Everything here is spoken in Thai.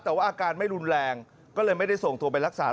แต่ว่าอาการไม่รุนแรงก็เลยไม่ได้ส่งตัวไปรักษา